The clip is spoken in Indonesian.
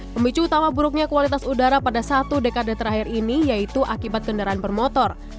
pemicu utama buruknya kualitas udara pada satu dekade terakhir ini yaitu akibat kendaraan bermotor